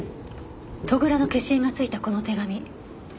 戸倉の消印がついたこの手紙。